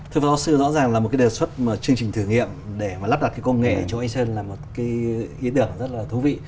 thưa phó sư rõ ràng là một đề xuất chương trình thử nghiệm để lắp đặt công nghệ cho anh sơn là một ý tưởng rất thú vị